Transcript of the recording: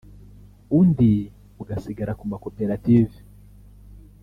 undi ugasigara ku makoperative